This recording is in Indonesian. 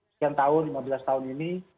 sekian tahun lima belas tahun ini